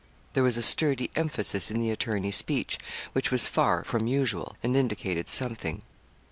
There was a sturdy emphasis in the attorney's speech which was far from usual, and indicated something.